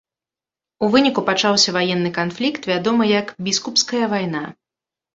У выніку пачаўся ваенны канфлікт, вядомы як біскупская вайна.